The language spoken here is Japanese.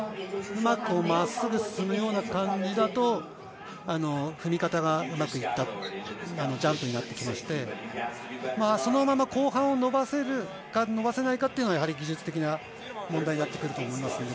うまく真っすぐ進むような感じだと、踏み方がうまくいったジャンプになってきまして、そのまま後半伸ばせるか伸ばせないかは、技術的な問題になってくると思います。